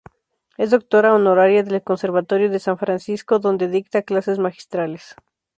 Es doctora honoraria del Conservatorio de San Francisco donde dicta clases magistrales.